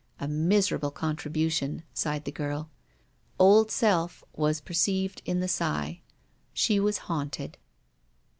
A miserable contribution! sighed the girl. Old Self was perceived in the sigh. She was haunted.